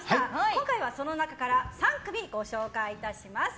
今回はその中から３組ご紹介いたします。